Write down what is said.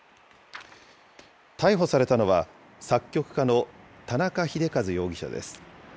逮捕されたのは、作曲家の田中秀和容疑者です。